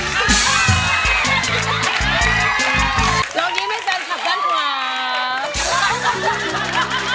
ร้องยิ้มให้แฟนสับด้านขวา